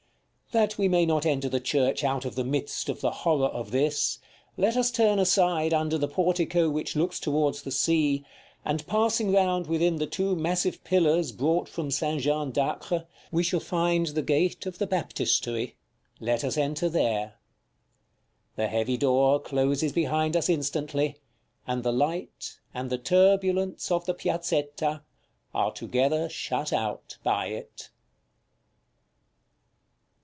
That we may not enter the church out of the midst of the horror of this, let us turn aside under the portico which looks towards the sea, and passing round within the two massive pillars brought from St. Jean d'Acre, we shall find the gate of the Baptistery; let us enter there. The heavy door closes behind us instantly, and the light, and the turbulence of the Piazzetta, are together shut out by it.